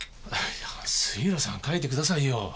いや杉浦さん書いてくださいよ。